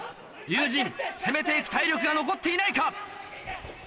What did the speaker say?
龍心攻めて行く体力が残っていないか。